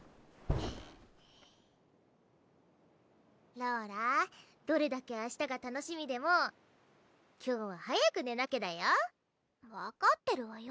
ローラどれだけ明日が楽しみでも今日は早く寝なきゃだよ分かってるわよ